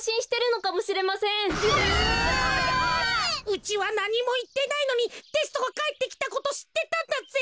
うちはなにもいってないのにテストがかえってきたことしってたんだぜ！